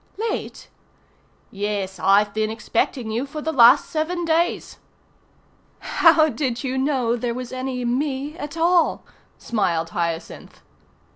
"Late?" "Yes, I've been expecting you for the last seven days." "How did you know there was any me at all?" smiled Hyacinth.